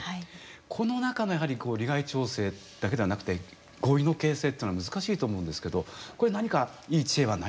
この中のやはり利害調整だけではなくて合意の形成っていうのは難しいと思うんですけどこれ何かいい知恵はないんでしょうか。